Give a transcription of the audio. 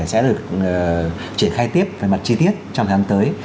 sẽ được triển khai tiếp về mặt chi tiết trong tháng tới